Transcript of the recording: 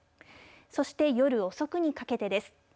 そして夜遅くにかけてです。